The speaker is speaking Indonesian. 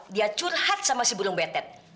dia curhat sama si burung betet